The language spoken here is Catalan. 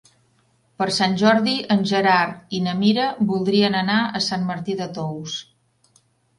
Per Sant Jordi en Gerard i na Mira voldrien anar a Sant Martí de Tous.